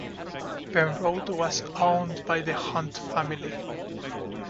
Penrod was owned by the Hunt family.